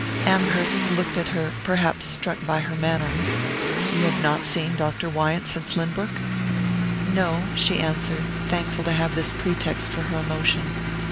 Amherst looked at her, perhaps struck by her manner. "You have not seen Dr. Wyant since Lynbrook?" "No," she answered, thankful to have this pretext for her emotion.